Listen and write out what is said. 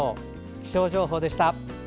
気象情報でした。